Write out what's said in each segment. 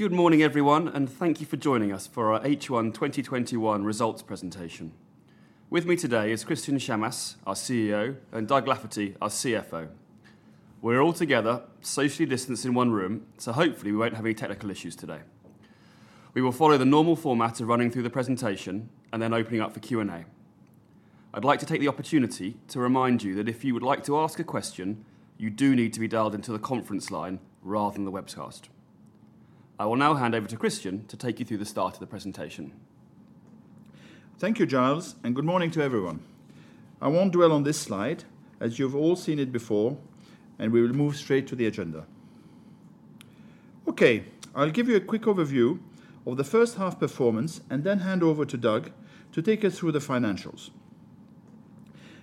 Good morning, everyone. Thank you for joining us for our H1 2021 results presentation. With me today is Christian Chammas, our CEO, and Doug Lafferty, our CFO. We're all together socially distanced in one room. Hopefully, we won't have any technical issues today. We will follow the normal format of running through the presentation and then opening up for Q&A. I'd like to take the opportunity to remind you that if you would like to ask a question, you do need to be dialed into the conference line rather than the webcast. I will now hand over to Christian to take you through the start of the presentation. Thank you, Giles, and good morning to everyone. I won't dwell on this slide, as you've all seen it before, and we will move straight to the agenda. I'll give you a quick overview of the first half performance and then hand over to Doug to take us through the financials.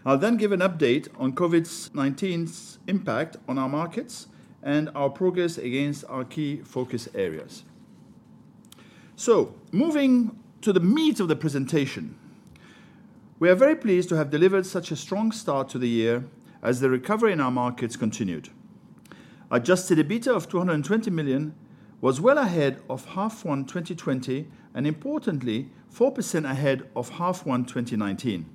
I'll give an update on COVID-19's impact on our markets and our progress against our key focus areas. Moving to the meat of the presentation, we are very pleased to have delivered such a strong start to the year as the recovery in our markets continued. Adjusted EBITDA of $220 million was well ahead of H1 2020, and importantly, 4% ahead of H1 2019,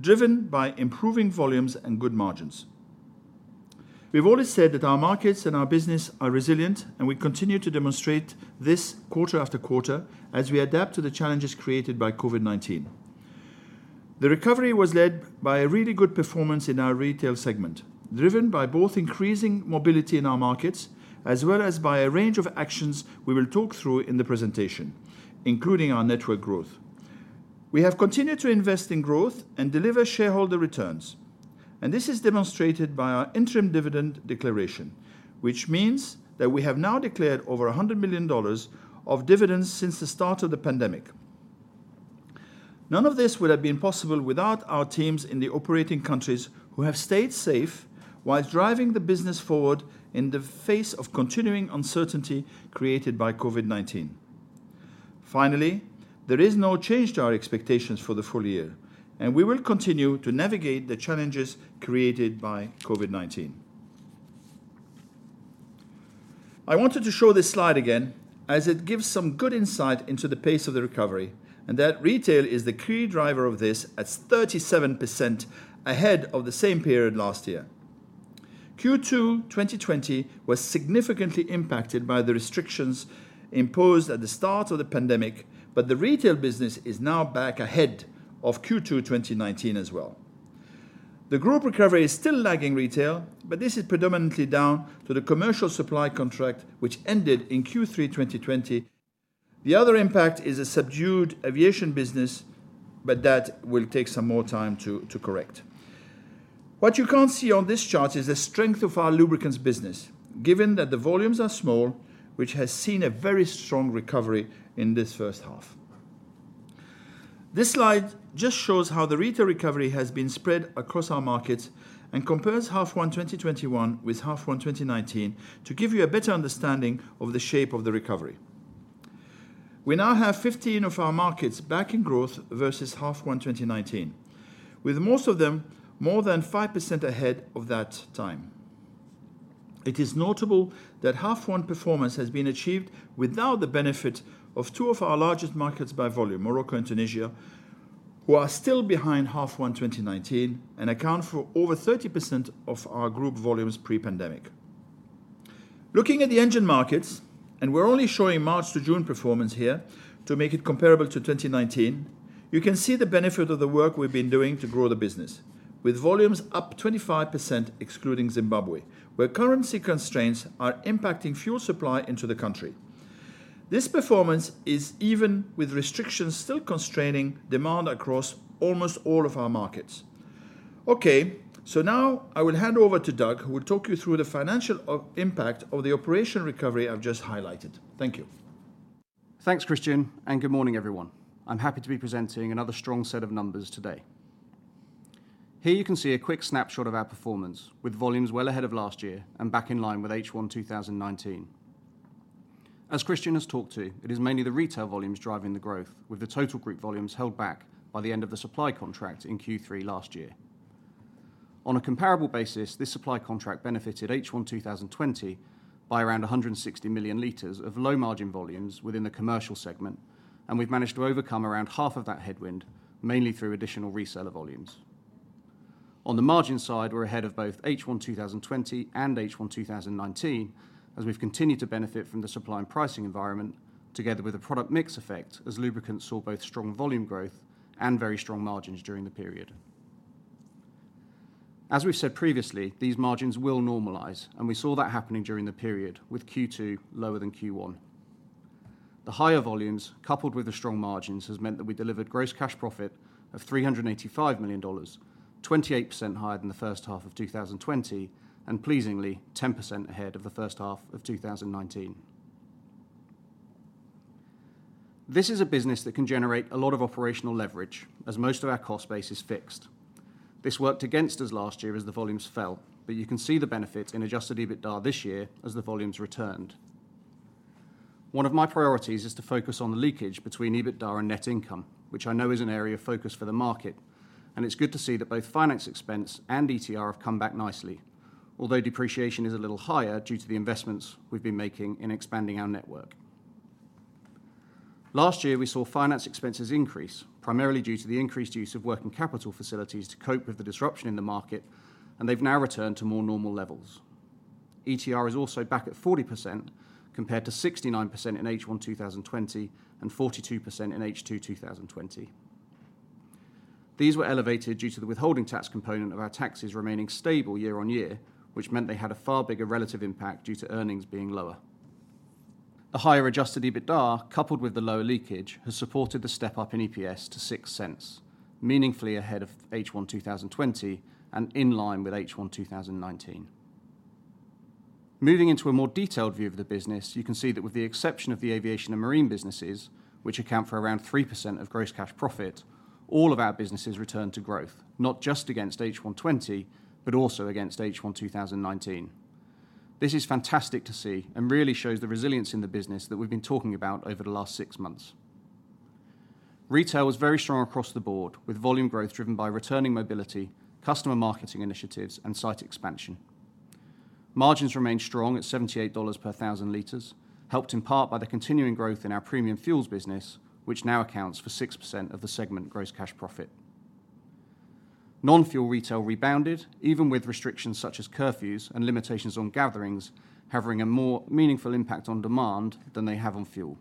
driven by improving volumes and good margins. We've always said that our markets and our business are resilient, we continue to demonstrate this quarter after quarter as we adapt to the challenges created by COVID-19. The recovery was led by a really good performance in our retail segment, driven by both increasing mobility in our markets as well as by a range of actions we will talk through in the presentation, including our network growth. We have continued to invest in growth and deliver shareholder returns, this is demonstrated by our interim dividend declaration, which means that we have now declared over $100 million of dividends since the start of the pandemic. None of this would have been possible without our teams in the operating countries who have stayed safe while driving the business forward in the face of continuing uncertainty created by COVID-19. Finally, there is no change to our expectations for the full year, and we will continue to navigate the challenges created by COVID-19. I wanted to show this slide again, as it gives some good insight into the pace of the recovery, and that retail is the key driver of this at 37% ahead of the same period last year. Q2 2020 was significantly impacted by the restrictions imposed at the start of the pandemic, but the retail business is now back ahead of Q2 2019 as well. The group recovery is still lagging retail, but this is predominantly down to the commercial supply contract, which ended in Q3 2020. The other impact is a subdued aviation business, but that will take some more time to correct. What you can't see on this chart is the strength of our lubricants business, given that the volumes are small, which has seen a very strong recovery in this first half. This slide just shows how the retail recovery has been spread across our markets and compares H1 2021 with H1 2019 to give you a better understanding of the shape of the recovery. We now have 15 of our markets back in growth versus H1 2019, with most of them more than 5% ahead of that time. It is notable that H1 performance has been achieved without the benefit of two of our largest markets by volume, Morocco and Tunisia, who are still behind H1 2019 and account for over 30% of our group volumes pre-pandemic. Looking at the Engen markets, and we're only showing March to June performance here to make it comparable to 2019, you can see the benefit of the work we've been doing to grow the business. With volumes up 25% excluding Zimbabwe, where currency constraints are impacting fuel supply into the country. This performance is even with restrictions still constraining demand across almost all of our markets. Now I will hand over to Doug, who will talk you through the financial impact of the operational recovery I've just highlighted. Thank you. Thanks, Christian, and good morning, everyone. I am happy to be presenting another strong set of numbers today. Here you can see a quick snapshot of our performance, with volumes well ahead of last year and back in line with H1 2019. As Christian has talked to, it is mainly the retail volumes driving the growth, with the total group volumes held back by the end of the supply contract in Q3 last year. On a comparable basis, this supply contract benefited H1 2020 by around 160 million liters of low-margin volumes within the commercial segment, and we have managed to overcome around half of that headwind, mainly through additional reseller volumes. On the margin side, we're ahead of both H1 2020 and H1 2019, as we've continued to benefit from the supply and pricing environment together with a product mix effect, as lubricants saw both strong volume growth and very strong margins during the period. As we've said previously, these margins will normalize, and we saw that happening during the period, with Q2 lower than Q1. The higher volumes, coupled with the strong margins, has meant that we delivered gross cash profit of $385 million, 28% higher than the first half of 2020 and pleasingly, 10% ahead of the first half of 2019. This is a business that can generate a lot of operational leverage as most of our cost base is fixed. This worked against us last year as the volumes fell, but you can see the benefit in adjusted EBITDA this year as the volumes returned. One of my priorities is to focus on the leakage between EBITDA and net income, which I know is an area of focus for the market, and it's good to see that both finance expense and ETR have come back nicely. Although depreciation is a little higher due to the investments we've been making in expanding our network. Last year, we saw finance expenses increase, primarily due to the increased use of working capital facilities to cope with the disruption in the market, and they've now returned to more normal levels. ETR is also back at 40%, compared to 69% in H1 2020 and 42% in H2 2020. These were elevated due to the withholding tax component of our taxes remaining stable year on year, which meant they had a far bigger relative impact due to earnings being lower. A higher adjusted EBITDA, coupled with the lower leakage, has supported the step-up in EPS to $0.06, meaningfully ahead of H1 2020 and in line with H1 2019. Moving into a more detailed view of the business, you can see that with the exception of the aviation and marine businesses, which account for around 3% of gross cash profit, all of our businesses returned to growth, not just against H1 2020, but also against H1 2019. This is fantastic to see and really shows the resilience in the business that we've been talking about over the last six months. Retail was very strong across the board, with volume growth driven by returning mobility, customer marketing initiatives, and site expansion. Margins remained strong at $78 per 1,000 liters, helped in part by the continuing growth in our premium fuels business, which now accounts for 6% of the segment gross cash profit. Non-fuel retail rebounded, even with restrictions such as curfews and limitations on gatherings, having a more meaningful impact on demand than they have on fuel.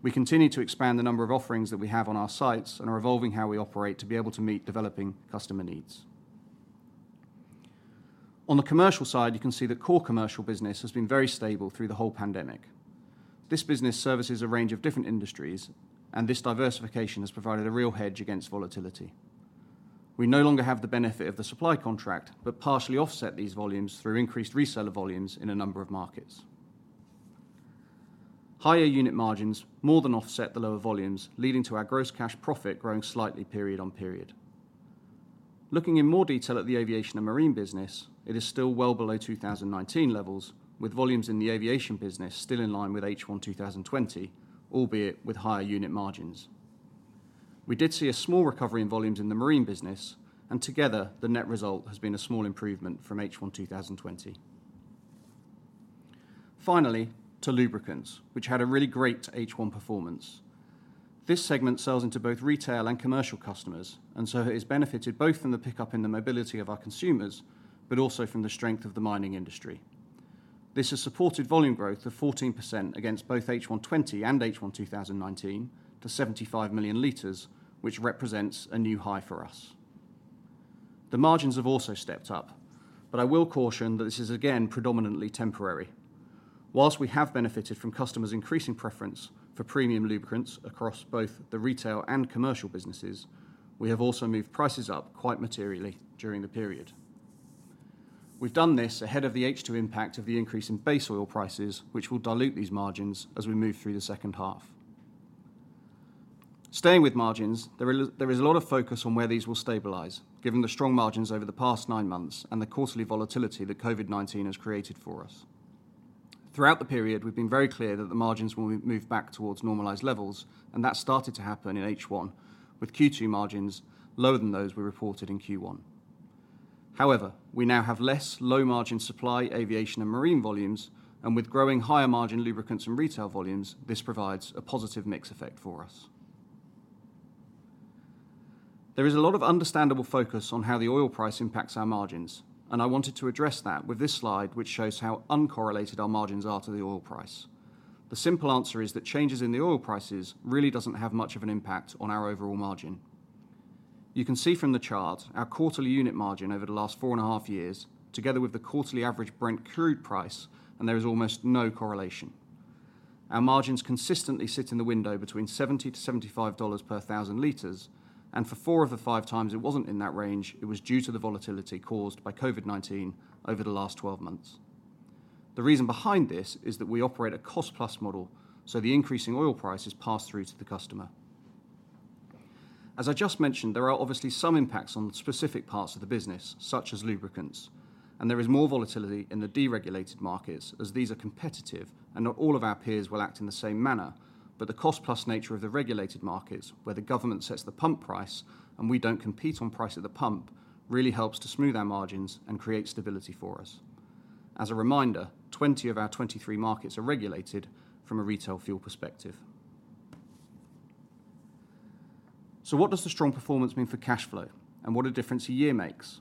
We continue to expand the number of offerings that we have on our sites and are evolving how we operate to be able to meet developing customer needs. On the commercial side, you can see the core commercial business has been very stable through the whole pandemic. This business services a range of different industries, and this diversification has provided a real hedge against volatility. We no longer have the benefit of the supply contract, but partially offset these volumes through increased reseller volumes in a number of markets. Higher unit margins more than offset the lower volumes, leading to our gross cash profit growing slightly period on period. Looking in more detail at the aviation and marine business, it is still well below 2019 levels, with volumes in the aviation business still in line with H1 2020, albeit with higher unit margins. We did see a small recovery in volumes in the marine business, and together the net result has been a small improvement from H1 2020. Finally, to lubricants, which had a really great H1 performance. This segment sells into both retail and commercial customers, and so it has benefited both from the pickup in the mobility of our consumers, but also from the strength of the mining industry. This has supported volume growth of 14% against both H1 2020 and H1 2019 to 75 million liters, which represents a new high for us. The margins have also stepped up, but I will caution that this is again predominantly temporary. Whilst we have benefited from customers' increasing preference for premium lubricants across both the retail and commercial businesses, we have also moved prices up quite materially during the period. We've done this ahead of the H2 impact of the increase in base oil prices, which will dilute these margins as we move through the second half. Staying with margins, there is a lot of focus on where these will stabilize, given the strong margins over the past nine months and the quarterly volatility that COVID-19 has created for us. Throughout the period, we've been very clear that the margins will move back towards normalized levels. That started to happen in H1 with Q2 margins lower than those we reported in Q1. However, we now have less low-margin supply aviation and marine volumes. With growing higher-margin lubricants and retail volumes, this provides a positive mix effect for us. There is a lot of understandable focus on how the oil price impacts our margins. I wanted to address that with this slide, which shows how uncorrelated our margins are to the oil price. The simple answer is that changes in the oil prices really doesn't have much of an impact on our overall margin. You can see from the chart our quarterly unit margin over the last four and a half years, together with the quarterly average Brent crude price. There is almost no correlation. Our margins consistently sit in the window between $70-$75 per thousand liters, and for four of the five times it wasn't in that range, it was due to the volatility caused by COVID-19 over the last 12 months. The reason behind this is that we operate a cost-plus model, so the increasing oil price is passed through to the customer. As I just mentioned, there are obviously some impacts on specific parts of the business, such as lubricants, and there is more volatility in the deregulated markets as these are competitive and not all of our peers will act in the same manner. The cost-plus nature of the regulated markets where the government sets the pump price and we don't compete on price at the pump really helps to smooth our margins and create stability for us. As a reminder, 20 of our 23 markets are regulated from a retail fuel perspective. What does the strong performance mean for cash flow, and what a difference a year makes.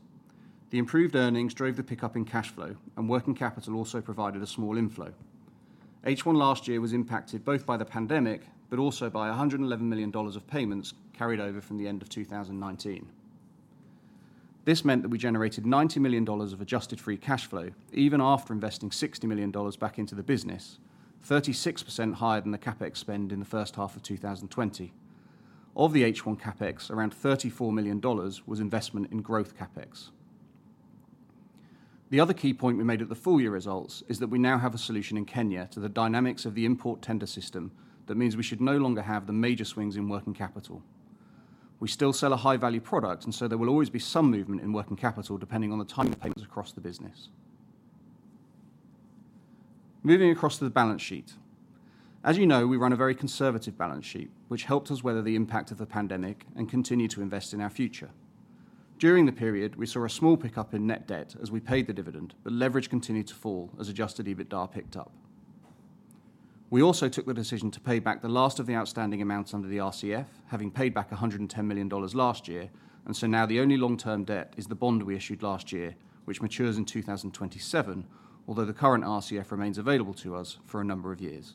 The improved earnings drove the pickup in cash flow, and working capital also provided a small inflow. H1 last year was impacted both by the pandemic, but also by $111 million of payments carried over from the end of 2019. This meant that we generated $90 million of adjusted free cash flow even after investing $60 million back into the business, 36% higher than the CapEx spend in the first half of 2020. Of the H1 CapEx, around $34 million was investment in growth CapEx. The other key point we made at the full-year results is that we now have a solution in Kenya to the dynamics of the import tender system. That means we should no longer have the major swings in working capital. We still sell a high-value product, and so there will always be some movement in working capital depending on the timing of payments across the business. Moving across to the balance sheet. As you know, we run a very conservative balance sheet, which helped us weather the impact of the pandemic and continue to invest in our future. During the period, we saw a small pickup in net debt as we paid the dividend, but leverage continued to fall as adjusted EBITDA picked up. We also took the decision to pay back the last of the outstanding amounts under the RCF, having paid back $110 million last year, and so now the only long-term debt is the bond we issued last year, which matures in 2027. The current RCF remains available to us for a number of years.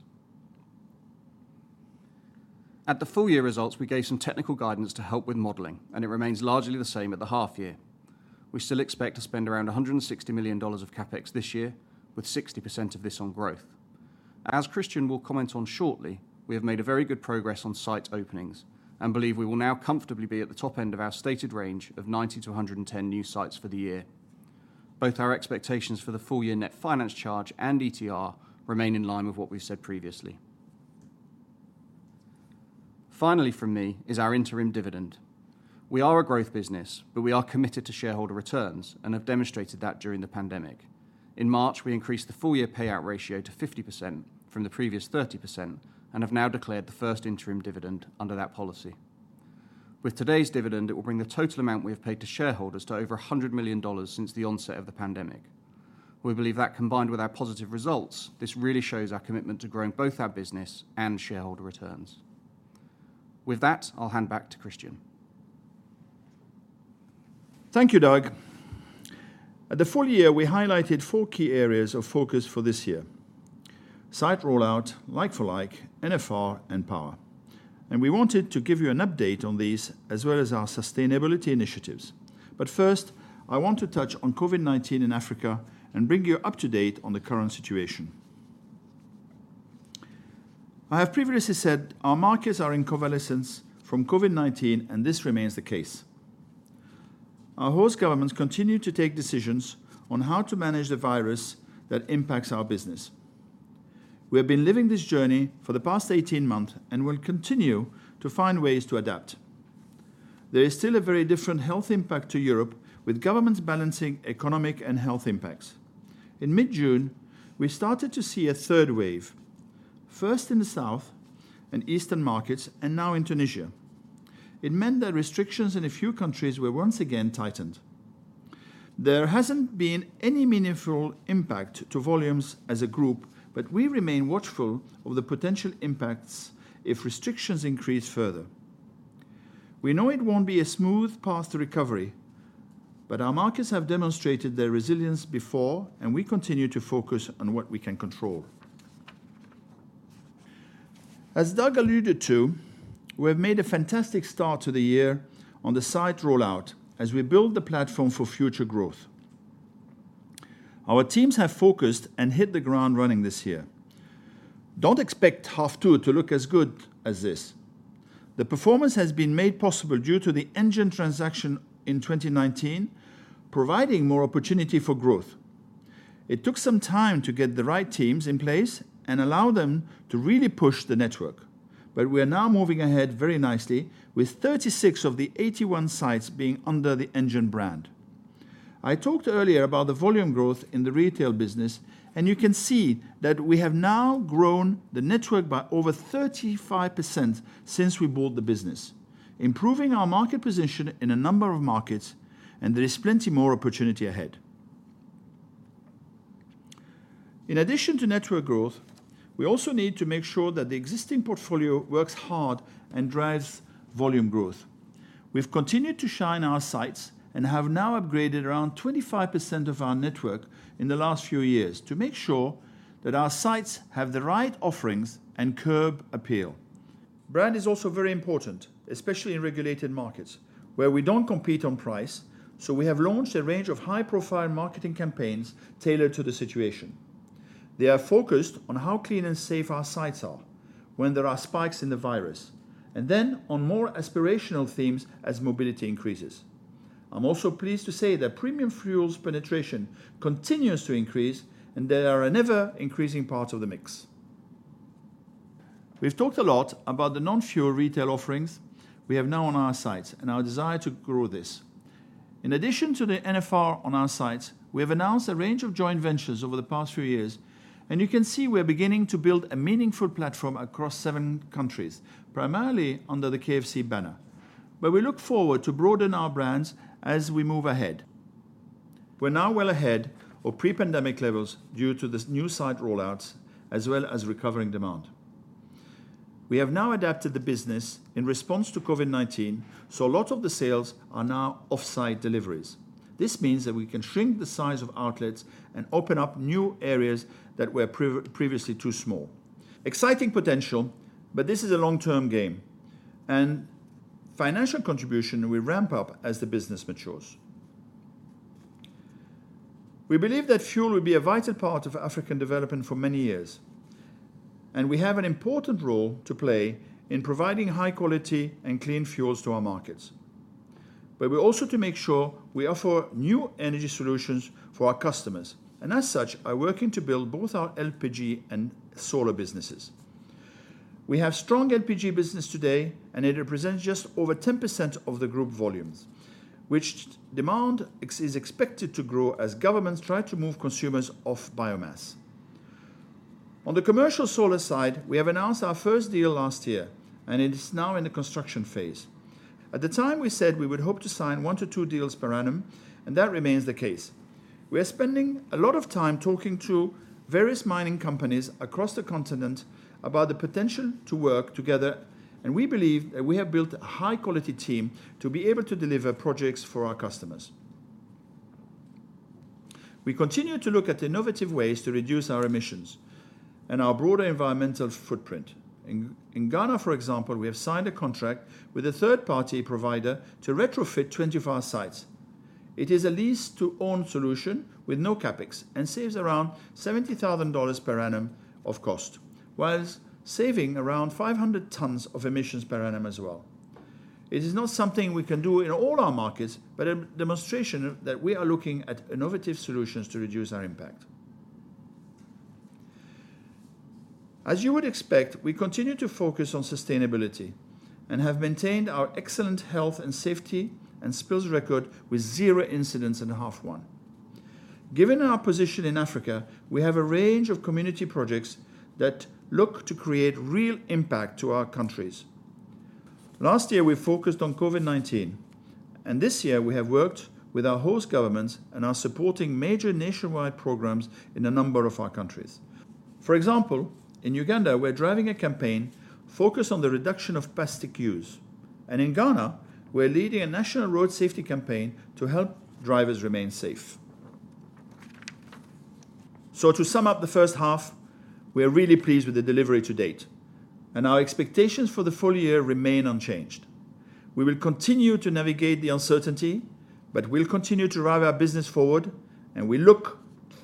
At the full year results, we gave some technical guidance to help with modeling, and it remains largely the same at the half year. We still expect to spend around $160 million of CapEx this year, with 60% of this on growth. As Christian Chammas will comment on shortly, we have made very good progress on site openings and believe we will now comfortably be at the top end of our stated range of 90-110 new sites for the year. Both our expectations for the full year net finance charge and ETR remain in line with what we've said previously. Finally, from me, is our interim dividend. We are a growth business, but we are committed to shareholder returns and have demonstrated that during the pandemic. In March, we increased the full-year payout ratio to 50% from the previous 30% and have now declared the first interim dividend under that policy. With today's dividend, it will bring the total amount we have paid to shareholders to over $100 million since the onset of the pandemic. We believe that combined with our positive results, this really shows our commitment to growing both our business and shareholder returns. With that, I'll hand back to Christian Chammas. Thank you, Doug. At the full year, we highlighted four key areas of focus for this year: site rollout, like-for-like, NFR, and power. We wanted to give you an update on these as well as our sustainability initiatives. First, I want to touch on COVID-19 in Africa and bring you up to date on the current situation. I have previously said our markets are in convalescence from COVID-19, and this remains the case. Our host governments continue to take decisions on how to manage the virus that impacts our business. We have been living this journey for the past 18 months and will continue to find ways to adapt. There is still a very different health impact to Europe, with governments balancing economic and health impacts. In mid-June, we started to see a third wave, first in the south and eastern markets, and now in Tunisia. It meant that restrictions in a few countries were once again tightened. There hasn't been any meaningful impact to volumes as a group, but we remain watchful of the potential impacts if restrictions increase further. We know it won't be a smooth path to recovery, but our markets have demonstrated their resilience before, and we continue to focus on what we can control. As Doug alluded to, we have made a fantastic start to the year on the site rollout as we build the platform for future growth. Our teams have focused and hit the ground running this year. Don't expect half two to look as good as this. The performance has been made possible due to the Engen Transaction in 2019, providing more opportunity for growth. It took some time to get the right teams in place and allow them to really push the network. We are now moving ahead very nicely with 36 of the 81 sites being under the Engen brand. I talked earlier about the volume growth in the retail business, and you can see that we have now grown the network by over 35% since we bought the business, improving our market position in a number of markets, and there is plenty more opportunity ahead. In addition to network growth, we also need to make sure that the existing portfolio works hard and drives volume growth. We've continued to shine our sites and have now upgraded around 25% of our network in the last few years to make sure that our sites have the right offerings and curb appeal. Brand is also very important, especially in regulated markets where we don't compete on price, so we have launched a range of high-profile marketing campaigns tailored to the situation. They are focused on how clean and safe our sites are when there are spikes in the virus, then on more aspirational themes as mobility increases. I'm also pleased to say that premium fuels penetration continues to increase and they are an ever-increasing part of the mix. We've talked a lot about the non-fuel retail offerings we have now on our sites and our desire to grow this. In addition to the NFR on our sites, we have announced a range of joint ventures over the past few years, you can see we are beginning to build a meaningful platform across seven countries, primarily under the KFC banner, where we look forward to broaden our brands as we move ahead. We are now well ahead of pre-pandemic levels due to the new site rollouts as well as recovering demand. We have now adapted the business in response to COVID-19, so a lot of the sales are now offsite deliveries. This means that we can shrink the size of outlets and open up new areas that were previously too small. Exciting potential, but this is a long-term game, and financial contribution will ramp up as the business matures. We believe that fuel will be a vital part of African development for many years, and we have an important role to play in providing high-quality and clean fuels to our markets. We're also to make sure we offer new energy solutions for our customers. As such, we are working to build both our LPG and solar businesses. We have strong LPG business today, and it represents just over 10% of the group volumes, which demand is expected to grow as governments try to move consumers off biomass. On the commercial solar side, we have announced our first deal last year, and it is now in the construction phase. At the time, we said we would hope to sign 1-2 deals per annum, and that remains the case. We are spending a lot of time talking to various mining companies across the continent about the potential to work together, and we believe that we have built a high-quality team to be able to deliver projects for our customers. We continue to look at innovative ways to reduce our emissions and our broader environmental footprint. In Ghana, for example, we have signed a contract with a third-party provider to retrofit 20 of our sites. It is a lease-to-own solution with no CapEx and saves around $70,000 per annum of cost, whilst saving around 500 tons of emissions per annum as well. It is not something we can do in all our markets, but a demonstration that we are looking at innovative solutions to reduce our impact. As you would expect, we continue to focus on sustainability and have maintained our excellent health and safety and spills record with zero incidents in the H1. Given our position in Africa, we have a range of community projects that look to create real impact to our countries. Last year, we focused on COVID-19. This year we have worked with our host governments and are supporting major nationwide programs in a number of our countries. For example, in Uganda, we're driving a campaign focused on the reduction of plastic use. In Ghana, we're leading a national road safety campaign to help drivers remain safe. To sum up the first half, we are really pleased with the delivery to date, and our expectations for the full year remain unchanged. We will continue to navigate the uncertainty, but we'll continue to drive our business forward, and we look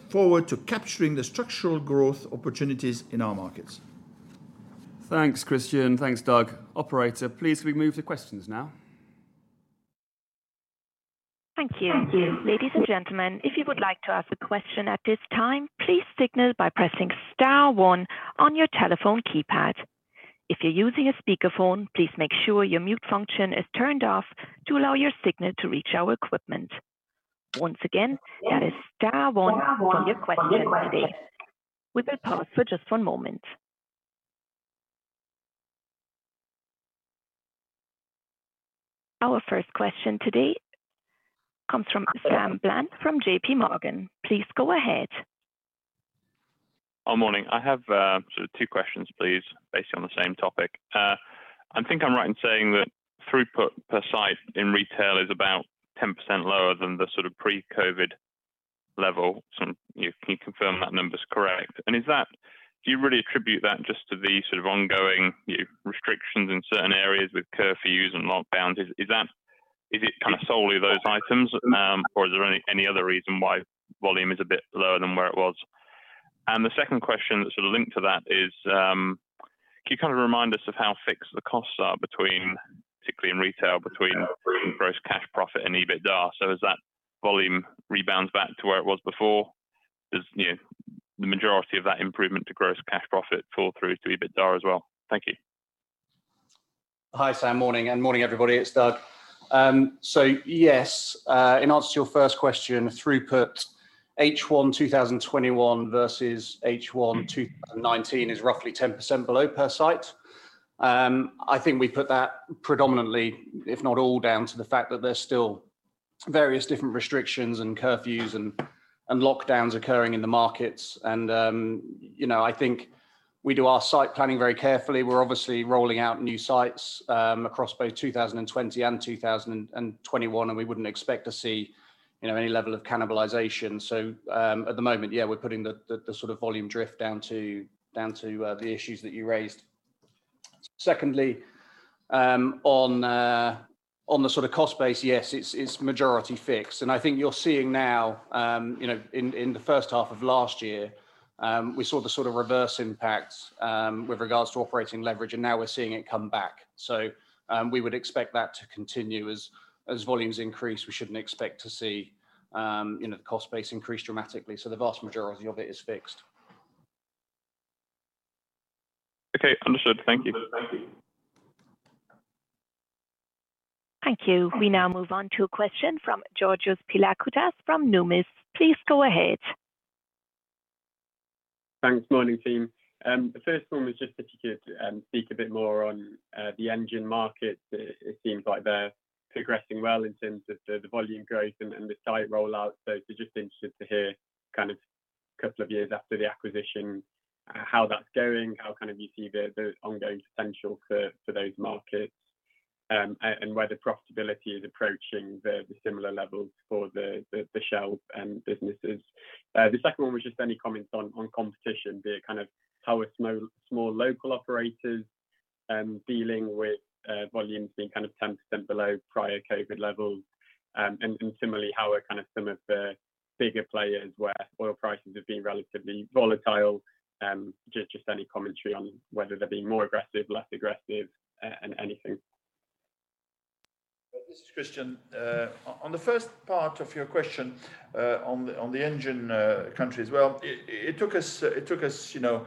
forward to capturing the structural growth opportunities in our markets. Thanks, Christian. Thanks, Doug. Operator, please can we move to questions now? Our first question today comes from Sam Bland from JPMorgan. Please go ahead. Morning. I have two questions please, based on the same topic. I think I'm right in saying that throughput per site in retail is about 10% lower than the pre-COVID level. Can you confirm that number's correct? Do you really attribute that just to the ongoing restrictions in certain areas with curfews and lockdowns? Is it solely those items? Is there any other reason why volume is a bit lower than where it was? The second question that's linked to that is, can you remind us of how fixed the costs are between, particularly in retail, between gross cash profit and EBITDA? As that volume rebounds back to where it was before, the majority of that improvement to gross cash profit fall through to EBITDA as well? Thank you. Hi, Sam. Morning. Morning, everybody. It's Doug. Yes, in answer to your first question, throughput H1 2021 versus H1 2019 is roughly 10% below per site. I think we put that predominantly, if not all, down to the fact that there's still various different restrictions and curfews and lockdowns occurring in the markets. I think we do our site planning very carefully. We're obviously rolling out new sites across both 2020 and 2021, and we wouldn't expect to see any level of cannibalization. At the moment, yeah, we're putting the volume drift down to the issues that you raised. Secondly, on the cost base, yes, it's majority fixed. I think you're seeing now, in the first half of last year, we saw the reverse impacts with regards to operating leverage, and now we're seeing it come back. We would expect that to continue. As volumes increase, we shouldn't expect to see the cost base increase dramatically. The vast majority of it is fixed. Okay, understood. Thank you. Thank you. We now move on to a question from Georgios Pilakoutas from Numis. Please go ahead. Thanks. Morning, team. The first one was just if you could speak a bit more on the Engen markets. It seems like they're progressing well in terms of the volume growth and the site rollout. Just interested to hear, two years after the acquisition, how that's going, how you see the ongoing potential for those markets, and whether profitability is approaching the similar levels for the Shell businesses. The second one was just any comments on competition, how are small local operators dealing with volumes being 10% below prior COVID levels. Similarly, how are some of the bigger players where oil prices have been relatively volatile, just any commentary on whether they're being more aggressive, less aggressive, and anything. This is Christian. On the first part of your question, on the Engen countries, well, it took us a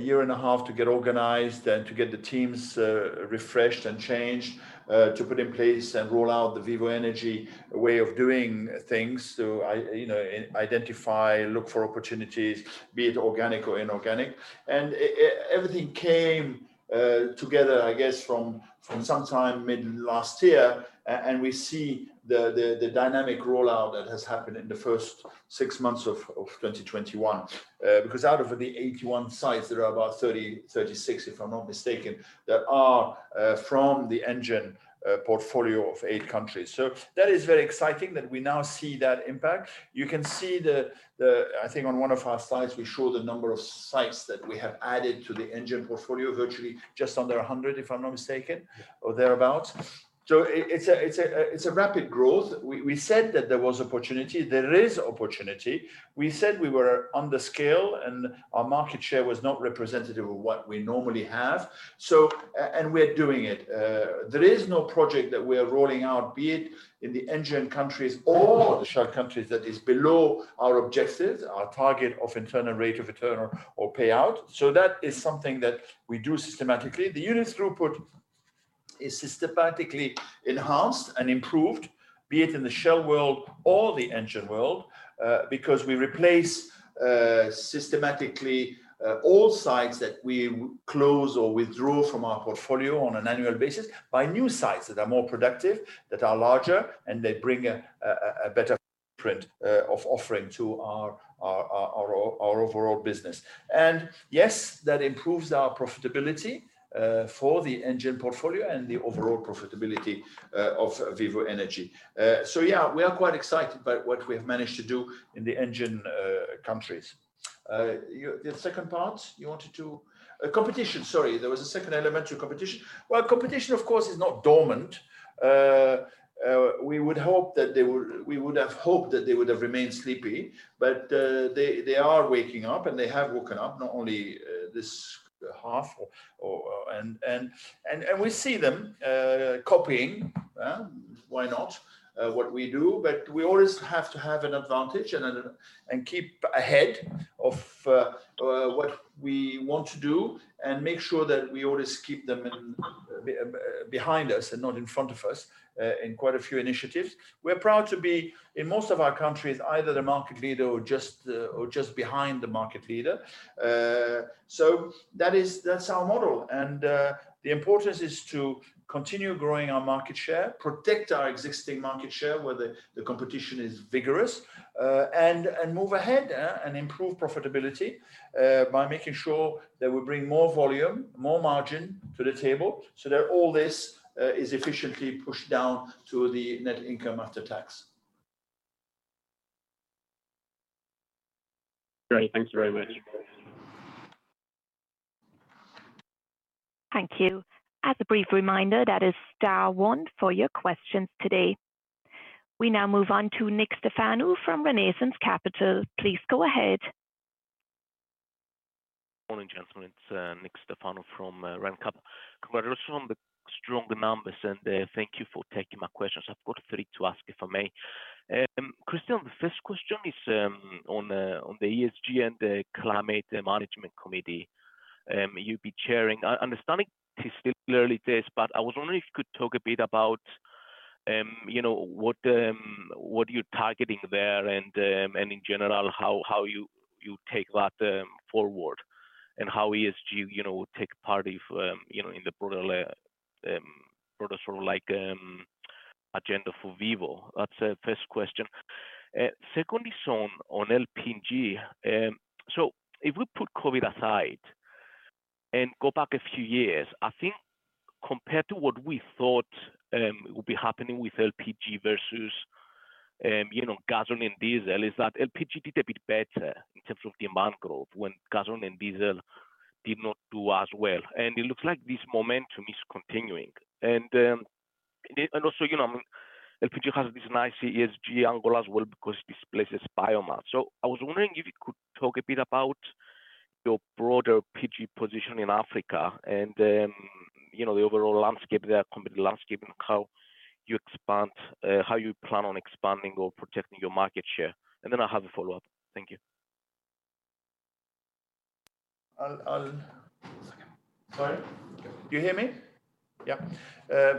year and a half to get organized and to get the teams refreshed and changed, to put in place and roll out the Vivo Energy way of doing things. Identify, look for opportunities, be it organic or inorganic. Everything came together, I guess, from sometime mid last year, and we see the dynamic rollout that has happened in the first six months of 2021. Out of the 81 sites, there are about 36, if I'm not mistaken, that are from the Engen portfolio of 8 countries. That is very exciting that we now see that impact. You can see, I think on one of our slides, we show the number of sites that we have added to the Engen portfolio, virtually just under 100, if I'm not mistaken, or thereabout. It's a rapid growth. We said that there was opportunity. There is opportunity. We said we were under scale, and our market share was not representative of what we normally have. We're doing it. There is no project that we are rolling out, be it in the Engen countries or the Shell countries, that is below our objectives, our target of internal rate of return or payout. That is something that we do systematically. The units throughput is systematically enhanced and improved, be it in the Shell world or the Engen world, because we replace systematically all sites that we close or withdraw from our portfolio on an annual basis by new sites that are more productive, that are larger, and they bring a better footprint of offering to our overall business. Yes, that improves our profitability, for the Engen portfolio and the overall profitability of Vivo Energy. Yeah, we are quite excited by what we have managed to do in the Engen countries. The second part, Competition, sorry. There was a second element to competition. Competition, of course, is not dormant. We would have hoped that they would have remained sleepy, but they are waking up and they have woken up, not only this half. We see them copying, why not, what we do, but we always have to have an advantage and keep ahead of what we want to do and make sure that we always keep them behind us and not in front of us in quite a few initiatives. We're proud to be, in most of our countries, either the market leader or just behind the market leader. That's our model, and the importance is to continue growing our market share, protect our existing market share, where the competition is vigorous, and move ahead and improve profitability, by making sure that we bring more volume, more margin to the table, so that all this is efficiently pushed down to the net income after tax. Great. Thank you very much. Thank you. As a brief reminder, that is star one for your questions today. We now move on to Nikolas Stefanou from Renaissance Capital. Please go ahead. Morning, gentlemen. It's Nikolas Stefanou from Ren Cap. Congratulations on the strong numbers, thank you for taking my questions. I've got three to ask, if I may. Christian, the first question is on the ESG and the Climate Management Committee you'll be chairing. Understanding it is still early days, I was wondering if you could talk a bit about what you're targeting there and, in general, how you take that forward and how ESG will take part in the broader sort of agenda for Vivo. That's the first question. Secondly is on LPG. If we put COVID aside and go back a few years, I think compared to what we thought would be happening with LPG versus gasoline, diesel, is that LPG did a bit better in terms of demand growth when gasoline and diesel did not do as well, and it looks like this momentum is continuing. Also, LPG has this nice ESG angle as well because it displaces biomass. I was wondering if you could talk a bit about your broader LPG position in Africa and the overall competitive landscape and how you plan on expanding or protecting your market share. Then I have a follow-up. Thank you.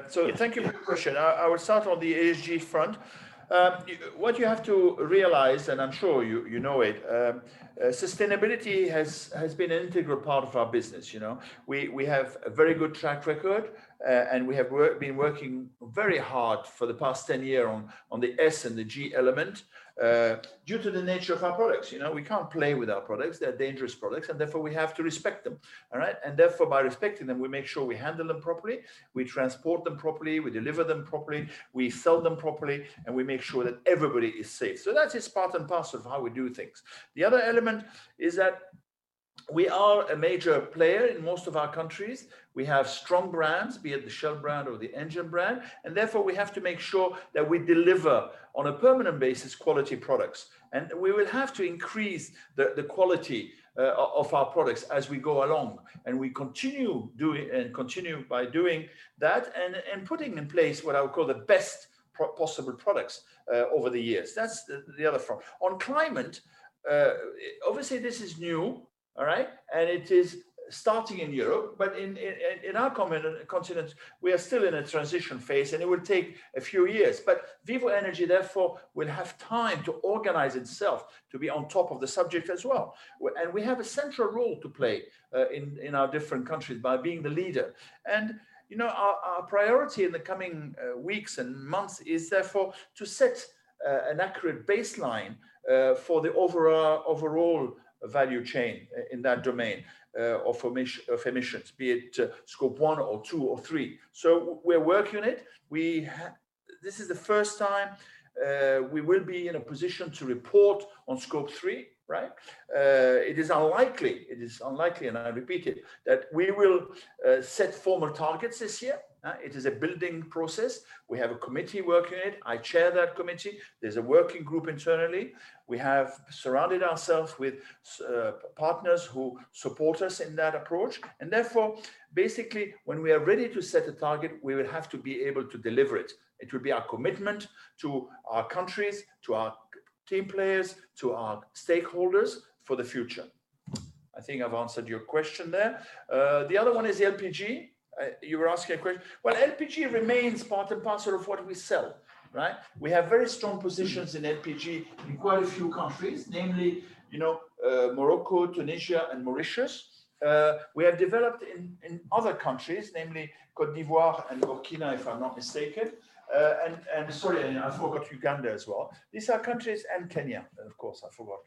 Thank you for your question. I will start on the ESG front. What you have to realize, and I'm sure you know it, sustainability has been an integral part of our business. We have a very good track record, and we have been working very hard for the past 10 years on the S and the G element. Due to the nature of our products, we can't play with our products. They're dangerous products, and therefore, we have to respect them. All right? Therefore, by respecting them, we make sure we handle them properly, we transport them properly, we deliver them properly, we sell them properly, and we make sure that everybody is safe. That is part and parcel of how we do things. The other element is that we are a major player in most of our countries. We have strong brands, be it the Shell brand or the Engen brand, and therefore we have to make sure that we deliver, on a permanent basis, quality products. We will have to increase the quality of our products as we go along. We continue by doing that and putting in place what I would call the best possible products over the years. That's the other front. On climate, obviously this is new. All right? It is starting in Europe, but in our continent, we are still in a transition phase, and it will take a few years. Vivo Energy, therefore, will have time to organize itself to be on top of the subject as well. We have a central role to play in our different countries by being the leader. Our priority in the coming weeks and months is, therefore, to set an accurate baseline for the overall value chain in that domain of emissions, be it Scope 1, 2, or 3. We're working on it. This is the first time we will be in a position to report on Scope three. Right? It is unlikely, and I repeat it, that we will set formal targets this year. It is a building process. We have a committee working on it. I chair that committee. There's a working group internally. We have surrounded ourselves with partners who support us in that approach. Therefore, basically, when we are ready to set a target, we will have to be able to deliver it. It will be our commitment to our countries, to our team players, to our stakeholders for the future. I think I've answered your question there. The other one is LPG. You were asking a question. LPG remains part and parcel of what we sell, right? We have very strong positions in LPG in quite a few countries, namely Morocco, Tunisia, and Mauritius. We have developed in other countries, namely Côte d'Ivoire and Burkina, if I'm not mistaken. Sorry, I forgot Uganda as well. These are countries, Kenya, of course, I forgot.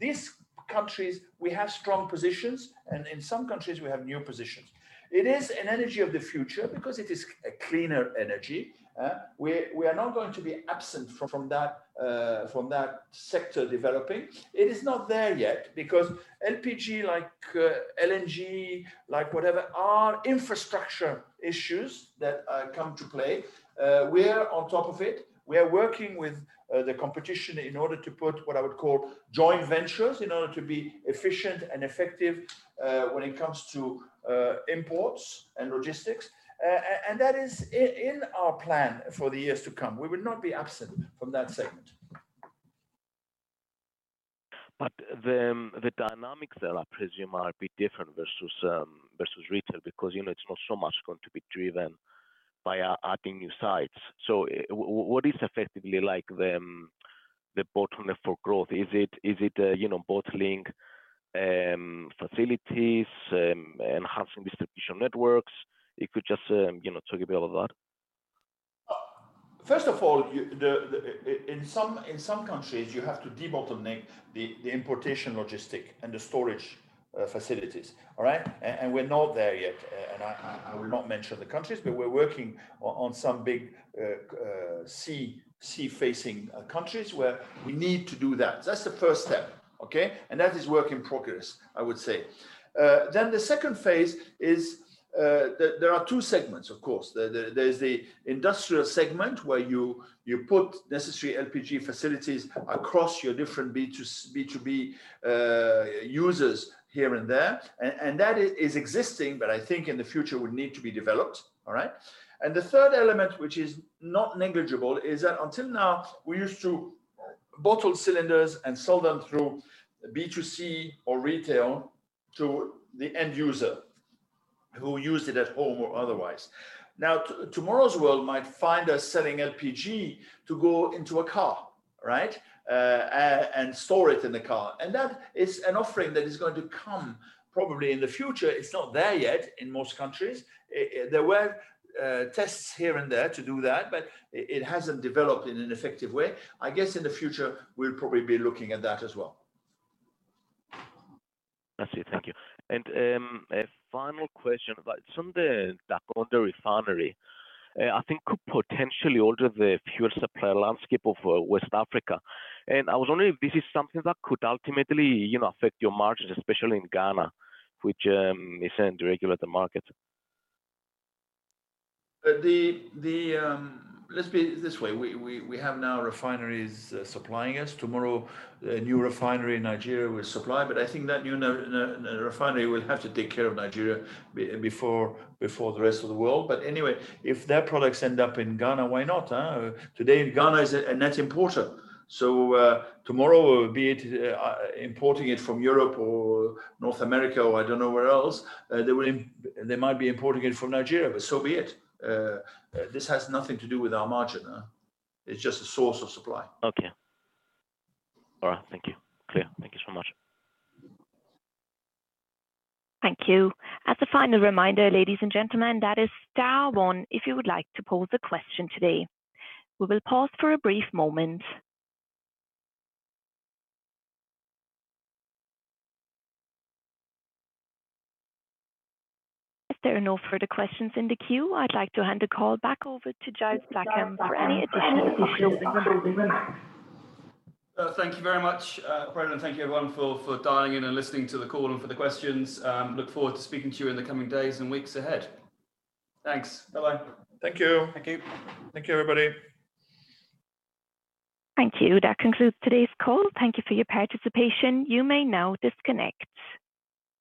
These countries, we have strong positions, and in some countries we have new positions. It is an energy of the future because it is a cleaner energy. We are not going to be absent from that sector developing. It is not there yet because LPG, like LNG, like whatever, are infrastructure issues that come to play. We're on top of it. We are working with the competition in order to put what I would call joint ventures in order to be efficient and effective when it comes to imports and logistics. That is in our plan for the years to come. We will not be absent from that segment. The dynamics there, I presume, are a bit different versus retail because it's not so much going to be driven by adding new sites. What is effectively the bottleneck for growth? Is it bottling facilities, enhancing distribution networks? If you could just talk a bit about that. First of all, in some countries, you have to debottleneck the importation logistic and the storage facilities. All right? We're not there yet. I will not mention the countries, but we're working on some big sea-facing countries where we need to do that. That's the first step. Okay? That is work in progress, I would say. The second phase is there are two segments, of course. There is the industrial segment where you put necessary LPG facilities across your different B2B users here and there, and that is existing, but I think in the future would need to be developed. All right? The third element, which is not negligible, is that until now, we used to bottle cylinders and sell them through B2C or retail to the end user who used it at home or otherwise. Tomorrow's world might find us selling LPG to go into a car, right? Store it in the car. That is an offering that is going to come probably in the future. It's not there yet in most countries. There were tests here and there to do that, but it hasn't developed in an effective way. I guess in the future, we'll probably be looking at that as well. I see. Thank you. A final question about some of the background on the refinery, I think could potentially alter the fuel supply landscape of West Africa, and I was wondering if this is something that could ultimately affect your margins, especially in Ghana, which is a regulated market. Let's put it this way. We have now refineries supplying us. Tomorrow, a new refinery in Nigeria will supply, but I think that new refinery will have to take care of Nigeria before the rest of the world. Anyway, if their products end up in Ghana, why not, huh? Today, Ghana is a net importer, so tomorrow, be it importing it from Europe or North America or I don't know where else, they might be importing it from Nigeria, but so be it. This has nothing to do with our margin, huh? It's just a source of supply. Okay. All right. Thank you. Clear. Thank you so much. Thank you. As a final reminder, ladies and gentlemen, that is star one if you would like to pose a question today. We will pause for a brief moment. If there are no further questions in the queue, I'd like to hand the call back over to Giles Blackham for any additional questions. Thank you very much, everyone, and thank you, everyone, for dialing in and listening to the call and for the questions. Look forward to speaking to you in the coming days and weeks ahead. Thanks. Bye-bye. Thank you. Thank you. Thank you, everybody. Thank you. That concludes today's call. Thank you for your participation. You may now disconnect.